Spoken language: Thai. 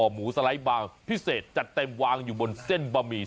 หมูสไลด์บางพิเศษจัดเต็มวางอยู่บนเส้นบะหมี่